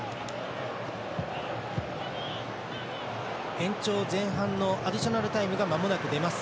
延長前半のアディショナルタイムがまもなく出ます。